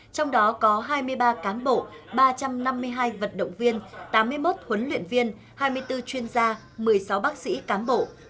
trong đó có hai mươi ba cán bộ ba trăm năm mươi hai vận động viên tám mươi một huấn luyện viên hai mươi bốn chuyên gia một mươi sáu bác sĩ cán bộ